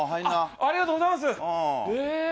ありがとうございます。